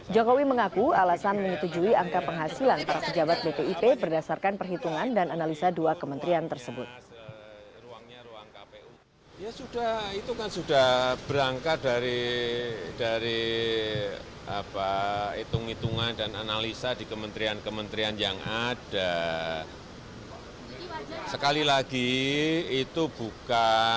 jokowi mengaku alasan menyetujui angka penghasilan para pejabat bpip berdasarkan perhitungan dan analisa dua kementerian tersebut